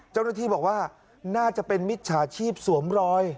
เจ้าหน้าที่บอกว่าน่าจะเป็นมิจฉาชีพสวมรอย